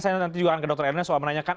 saya nanti juga akan ke dr erna soal menanyakan